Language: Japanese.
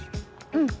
うん。